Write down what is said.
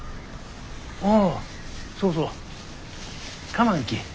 ああそうそう構わんき。